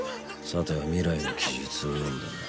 さては未来の記述を読んだな？